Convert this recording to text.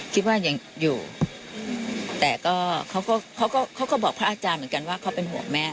คิดว่ายังอยู่แต่ก็เขาก็เขาก็บอกพระอาจารย์เหมือนกันว่าเขาเป็นห่วงแม่